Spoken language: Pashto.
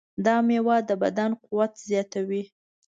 دا مېوه د بدن قوت زیاتوي.